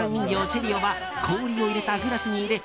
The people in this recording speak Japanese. チェリオは氷を入れたグラスに入れ